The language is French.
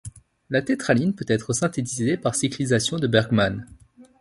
La tétraline peut être synthétisée par cyclisation de Bergman.